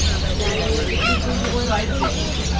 "Dine with the people you once hated."